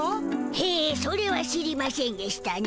へえそれは知りましぇんでしたな。